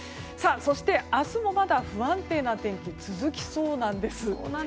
明日もまだ不安定な天気続きそうなんです。